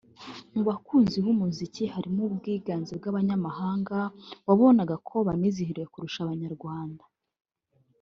mu bakunzi b’umuziki harimo ubwiganze bw’abanyamahanga wabonaga ko banizihiwe kurusha Abanyarwanda